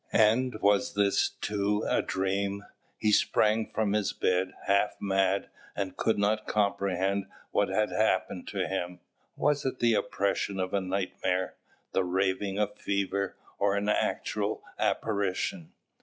And was this, too, a dream? He sprang from his bed, half mad, and could not comprehend what had happened to him. Was it the oppression of a nightmare, the raving of fever, or an actual apparition?